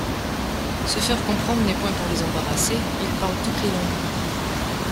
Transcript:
Se faire comprendre n’est point pour les embarrasser : ils parlent toutes les langues.